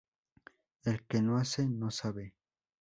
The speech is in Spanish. El que no hace, no sabe.